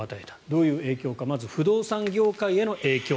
どういう影響かまず不動産業界への影響。